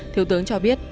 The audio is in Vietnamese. thiếu tướng cho biết